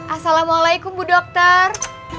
assalamualaikum bu dokter